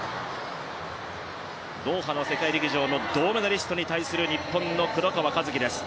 ドーハの世界陸上での銅メダリストに対する日本の黒川和樹です。